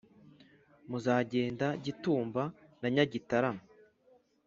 Muzagenda Gitumba na Nyagitarama